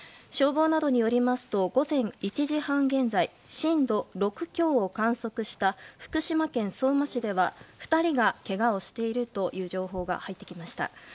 消防などによりますと午前１時半現在震度６強を観測した福島県相馬市では２人がけがをしているという情報が入ってきました。